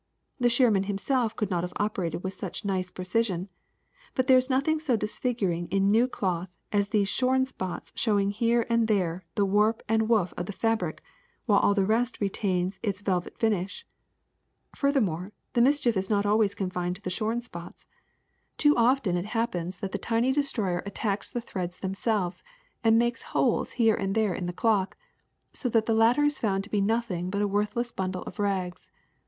The shearman himself could not have operated with such nice precision. But there is noth ing so disfiguring in new cloth as these shorn spots showing here and there the warp and woof of the fabric, while all the rest retains its vel vet finish. Furthermore, the mischief is not always confined to the shorn spots: too often it happens Clothes Moth With piece of cloth at tacked by larva. (Cross and line show natural sizes.) 50 THE SECRET OF EVERYDAY THINGS that the tiny destroyer attacks the threads them selves and makes holes here and there in the cloth, so that the latter is found to be nothing but a worth less bundle of rags.